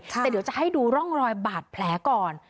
แต่เดี๋ยวจะให้ดูร่องรอยบาดแผลก่อน